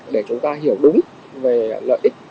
để chúng ta hiểu đúng về lợi ích